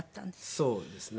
そうですね。